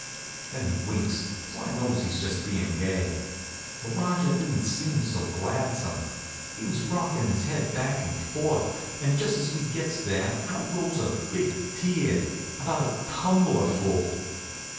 Then he winks, so I knows he's just bein' gay. But Rajah didn't seem so gladsome. He was rockin' his head back and forth, and just as we gets there out rolls a big tear, about a tumblerful.